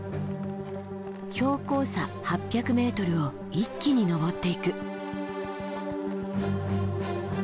標高差８００ｍを一気に登っていく。